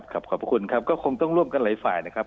ขอบพระคุณครับก็คงต้องร่วมกันหลายฝ่ายนะครับ